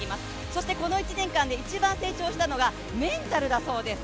そして、この１年間で一番、成長したのがメンタルだそうです。